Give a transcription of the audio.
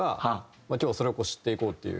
今日はそれをこう知っていこうっていう。